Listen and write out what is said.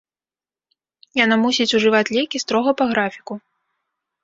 Яна мусіць ужываць лекі строга па графіку.